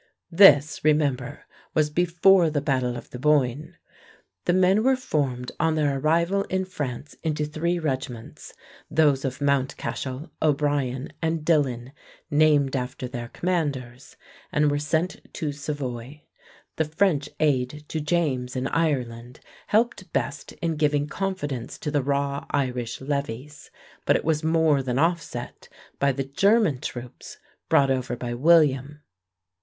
This, remember, was before the battle of the Boyne. The men were formed on their arrival in France into three regiments, those of Mountcashel, O'Brien, and Dillon, named after their commanders, and were sent to Savoy. The French aid to James in Ireland helped best in giving confidence to the raw Irish levies, but it was more than offset by the German troops brought over by William.